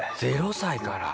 ０歳から。